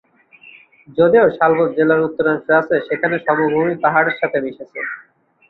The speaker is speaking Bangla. যদিও শালবন জেলার উত্তরাংশে আছে যেখানে সমভূমি পাহাড়ের সাথে মিশেছে।